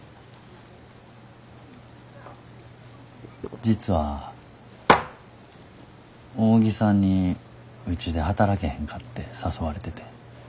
実は扇さんにうちで働けへんかって誘われてて。